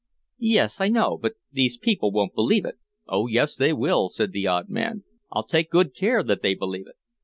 "Yes, I know. But these people won't believe it." "Oh, yes they will!" said the odd man. "I'll take good care that they believe it."